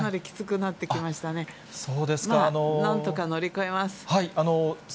なんとか乗り越えます。